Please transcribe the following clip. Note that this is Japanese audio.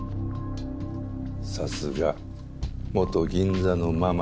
さすが元銀座のママや。